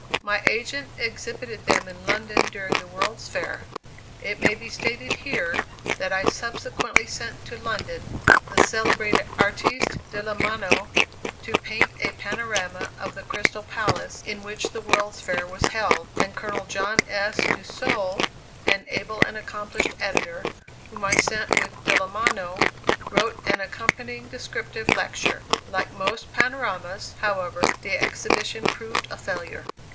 My agent exhibited them in London during the World's Fair. It may be stated here, that I subsequently sent to London the celebrated artist De Lamano to paint a panorama of the Crystal Palace, in which the World's Fair was held, and Colonel John S. Dusolle, an able and accomplished editor, whom I sent with De Lamano, wrote an accompanying descriptive lecture. Like most panoramas, however, the exhibition proved a failure.